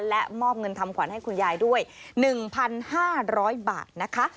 และมอบเงินทำขวัญให้คุณยายด้วย๑๕๐๐บาทนะคะ